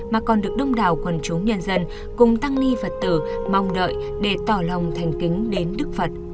mà còn được đông đảo quần chúng nhân dân cùng tăng nghi phật tử mong đợi để tỏ lòng thành kính đến đức phật